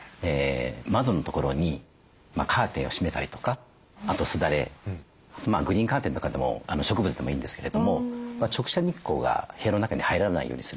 窓のところにカーテンを閉めたりとかあとすだれグリーンカーテンとかでも植物でもいいんですけれども直射日光が部屋の中に入らないようにする。